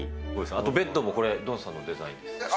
あとベッドもこれ、ドンさんのデザインですか。